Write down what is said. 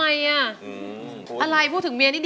เมื่อสักครู่นี้ถูกต้องทั้งหมด